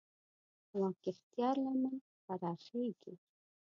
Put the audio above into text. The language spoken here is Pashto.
واک اختیار لمن پراخېږي.